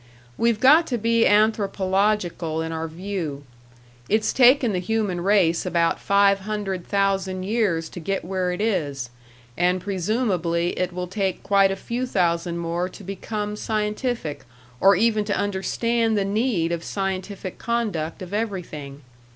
We've got to be anthropological in our view. It's taken the human race about five hundred thousand years to get where it is, and presumably it will take quite a few thousand more to become scientific or even to understand the need of scientific conduct of everything.